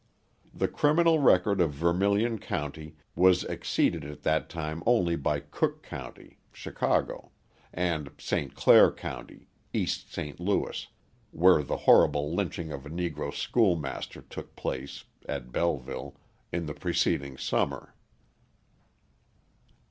The criminal record of Vermilion County was exceeded at that time only by Cook County (Chicago), and St. Clair County (East St. Louis), where the horrible lynching of a Negro schoolmaster took place (at Belleville) in the preceding summer.